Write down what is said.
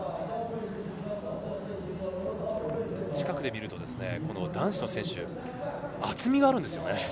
近くで見ると男子の選手厚みがあるんですよね。